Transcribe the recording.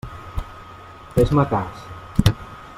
Fes-me cas.